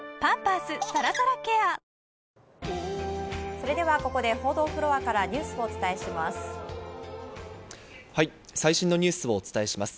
それではここで報道フロアからニュースをお伝えします。